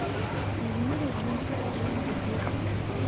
Yezmer ad yens ɣer-wen deg yiḍ-a?